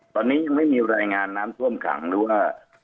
ตอนนี้ยังไม่มีรายงานน้ำท่วมขังหรือว่า